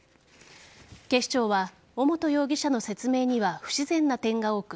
警視庁は尾本容疑者の説明には不自然な点が多く